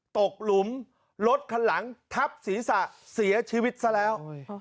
หลุมรถคันหลังทับศีรษะเสียชีวิตซะแล้ว